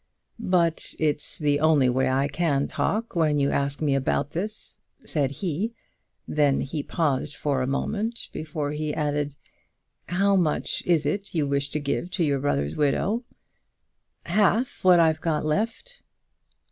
"But it's the only way I can talk when you ask me about this," said he. Then he paused for a moment before he added, "How much is it you wish to give to your brother's widow?" "Half what I've got left."